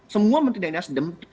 semua menteri dan asdem